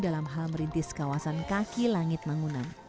dalam hal merintis kawasan kaki langit mangunan